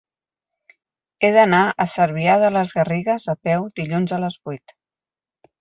He d'anar a Cervià de les Garrigues a peu dilluns a les vuit.